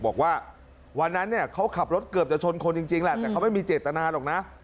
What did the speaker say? บอกว่าวันนั้นเนี่ยเขาขับรถเกือบจะชนคนจริงแหละแต่เขาไม่มีเจตนาหรอกนะ